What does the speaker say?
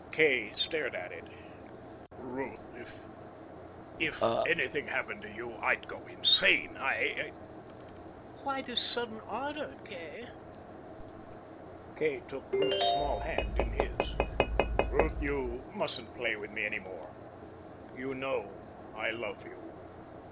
Kay stared at it. "Ruth, if if anything happened to you I'd go insane. I'd " "Why this sudden ardor, Kay?" Kay took Ruth's small hand in his. "Ruth, you mustn't play with me any more. You know I love you.